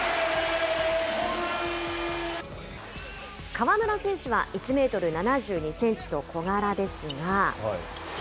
河村選手は１メートル７２センチと小柄ですが。